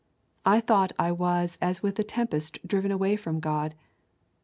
I thought I was as with a tempest driven away from God.